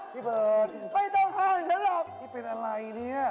พี่เบิร์ตไม่ต้องห้ามฉันหรอกพี่เป็นอะไรเนี่ย